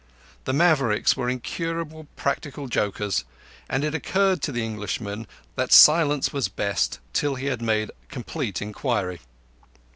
The Mavericks were incurable practical jokers; and it occurred to the Englishman that silence was best till he had made complete inquiry.